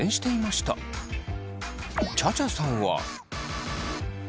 ちゃちゃさんは？